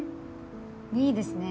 いいですね。